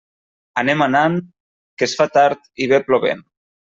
Anem anant, que es fa tard i ve plovent.